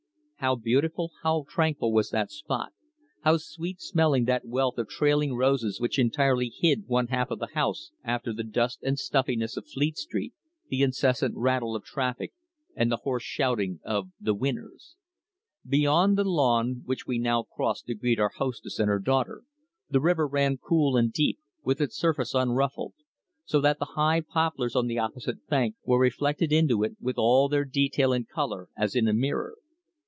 How beautiful, how tranquil was that spot, how sweet smelling that wealth of trailing roses which entirely hid one half the house after the dust and stuffiness of Fleet Street, the incessant rattle of traffic, and the hoarse shouting of "the winners." Beyond the lawn, which we now crossed to greet our hostess and her daughter, the river ran cool and deep, with its surface unruffled, so that the high poplars on the opposite bank were reflected into it with all their detail and colour as in a mirror.